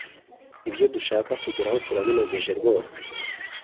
Ibyo dushaka kugeraho turabinogeje rwose